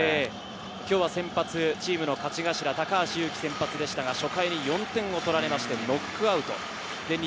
今日は先発チームの勝ち頭、高橋優貴でしたが、初回に４点を取られましてノックアウト。